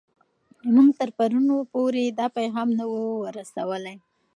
موږ تر پرون پورې دا پیغام نه و رسوولی.